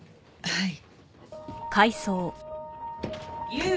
はい。